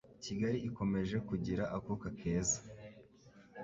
Kigali ikomeje kugira akuka keza.